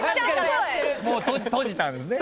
もう閉じたんですね